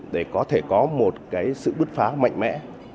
để có thể có một cái sự bứt phá mạnh mẽ